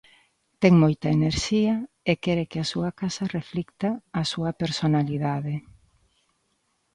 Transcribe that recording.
Ten moita enerxía e quere que a súa casa reflicta a súa personalidade.